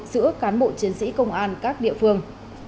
giữa cán bộ chiến sĩ công an các địa phương